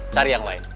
cari yang lain